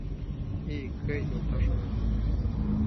И.К. йолташ ойла: